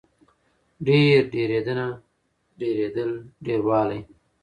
ډېر، ډېرېدنه، ډېرېدل، ډېروالی